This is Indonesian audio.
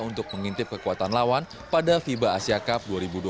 untuk mengintip kekuatan lawan pada fiba asia cup dua ribu dua puluh